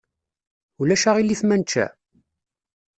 Ulac aɣilif ma nečča?